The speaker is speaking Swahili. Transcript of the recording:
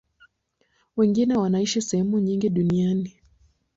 Wengine wanaishi sehemu nyingi duniani.